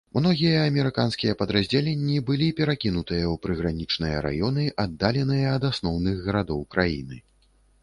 Многія амерыканскія падраздзяленні былі перакінутыя ў прыгранічныя раёны, аддаленыя ад асноўных гарадоў краіны.